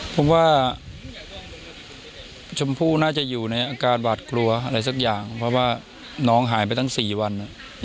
ผมว่าชมพู่น่าจะอยู่ในอาการหวาดกลัวอะไรสักอย่างเพราะว่าน้องหายไปตั้ง๔วัน